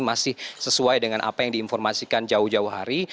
masih sesuai dengan apa yang diinformasikan jauh jauh hari